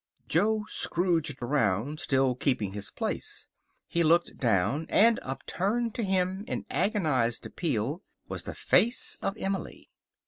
Jo scrooged around, still keeping his place. He looked down. And upturned to him in agonized appeal was the face of Emily.